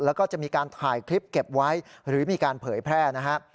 แล้วก็จะมีการถ่ายคลิปเก็บไว้หรือมีการเผยแพร่นะครับ